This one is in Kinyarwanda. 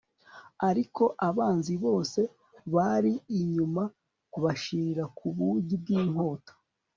ariko abanzi bose bari inyuma bashirira ku bugi bw'inkota